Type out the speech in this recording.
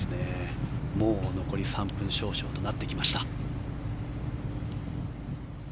もう残り３分少々となってきました。